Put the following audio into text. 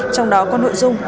trong đó có nội dung